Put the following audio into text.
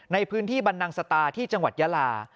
ในพื้นที่บรรนังสตาที่จังหวัดยาลา